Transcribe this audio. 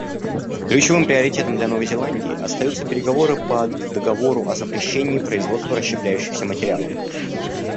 Ключевым приоритетом для Новой Зеландии остаются переговоры по договору о запрещении производства расщепляющихся материалов.